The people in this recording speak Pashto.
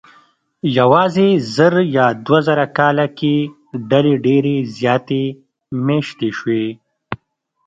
یواځې زر یا دوه زره کاله کې ډلې ډېرې زیاتې مېشتې شوې.